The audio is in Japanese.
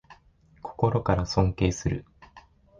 心から尊敬する